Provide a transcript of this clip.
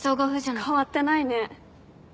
変わってないね。